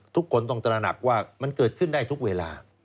ทุกคนต้องตระหนักว่ามันเกิดขึ้นได้ทุกเวลา